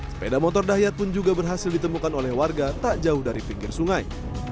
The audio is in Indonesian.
sepeda motor dahyat pun juga berhasil ditemukan oleh warga tak jauh dari pinggir sungai